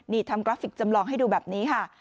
นี่ทำกราฟิกจำลองให้ดูแบบนี้ค่ะ